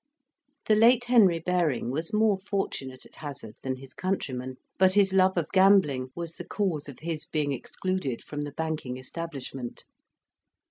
The late Henry Baring was more fortunate at hazard than his countryman, but his love of gambling was the cause of his being excluded from the banking establishment.